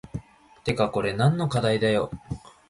てかこれ何の課題だよ